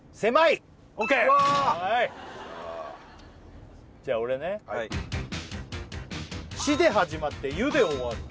わーっじゃあ俺ねはい「し」で始まって「ゆ」で終わる